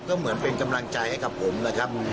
ก็เหมือนเป็นกำลังใจให้กับผมนะครับ